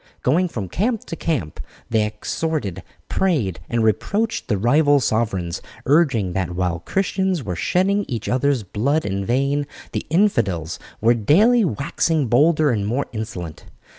Going from camp to camp they exhorted, prayed, and reproached the rival sovereigns, urging that while Christians were shedding each other's blood in vain, the infidels were daily waxing bolder and more insolent.